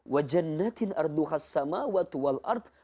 wa jannatin arduhas sama'at wa tuwal ardh